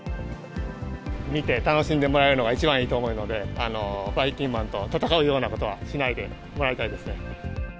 見て、楽しんでもらえるのが一番だと思うので、ばいきんまんと戦うようなことはしないでもらいたいですね。